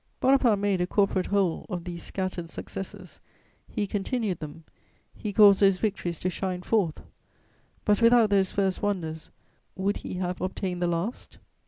Bonaparte made a corporate whole of these scattered successes; he continued them, he caused those victories to shine forth: but without those first wonders, would he have obtained the last?